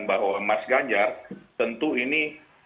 bahwa mas ganjar tentu ini